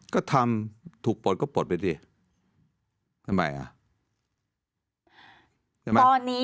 ก็ทำถูกปลดก็ปลดด้วยดิทำไม